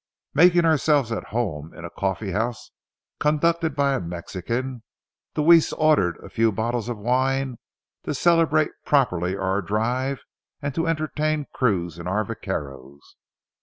Making ourselves at home in a coffeehouse conducted by a Mexican, Deweese ordered a few bottles of wine to celebrate properly our drive and to entertain Cruze and our vaqueros.